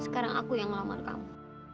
sekarang aku yang ngelamar kamu